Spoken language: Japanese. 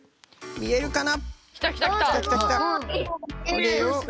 見えるかな？